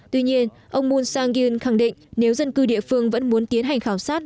tuy nhiên ông moon sang kyung khẳng định nếu dân cư địa phương vẫn muốn tiến hành khảo sát